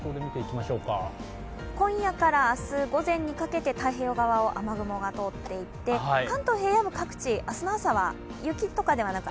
今夜から明日午前にかけて太平洋側を雨雲が通っていって関東平野部各地、明日の朝は雪とかではなく